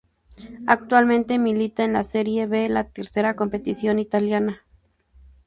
Actualmente milita en la Serie B, la tercera competición italiana.